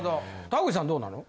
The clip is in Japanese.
田口さんどうなの？